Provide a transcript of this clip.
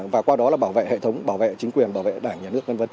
và qua đó là bảo vệ hệ thống bảo vệ chính quyền bảo vệ đảng nhà nước v v